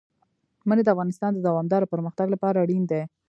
منی د افغانستان د دوامداره پرمختګ لپاره اړین دي.